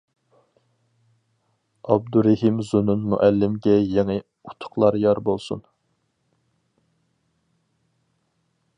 ئابدۇرېھىم زۇنۇن مۇئەللىمگە يېڭى ئۇتۇقلار يار بولسۇن.